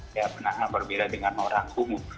ya penanganan berbeda dengan orang umum